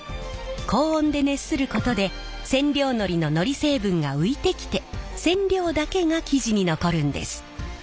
高温で熱することで染料のりののり成分が浮いてきて染料だけが生地に残るんです。